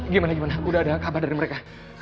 gimana gimana udah ada kabar dari mereka